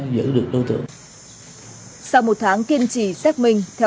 vì cuộc sống của mình